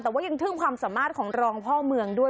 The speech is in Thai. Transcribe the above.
แต่ว่ายังทึ่งความสามารถของรองพ่อเมืองด้วย